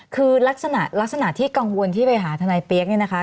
คือลักษณะที่กังวลที่ไปหาทนายเป๊กนี่นะคะ